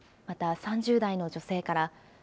また、３０代の女性から。